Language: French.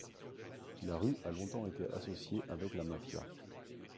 La rue a longtemps été associée avec la Mafia.